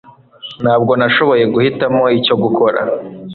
Ntabwo nashoboye guhitamo icyo gukora